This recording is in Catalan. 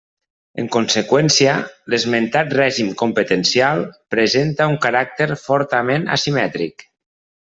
En conseqüència, l'esmentat règim competencial presenta un caràcter fortament asimètric.